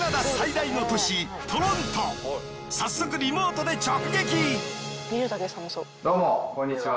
早速リモートで直撃！